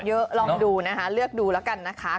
ลองดูนะคะเลือกดูแล้วกันนะคะ